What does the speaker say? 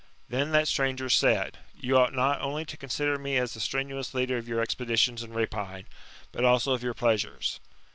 Then that stranger said: '*You ought not only to consider me as a strenuous leader of your expeditions and rapine, but also of your pleasures."